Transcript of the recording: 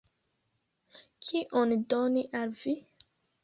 Kion doni al vi?